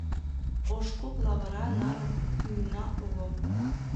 Ошкуп лавыра нар мӱйна уло